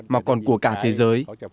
mà còn của cả thế giới